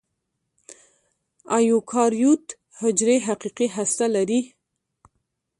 ایوکاریوت حجرې حقیقي هسته لري.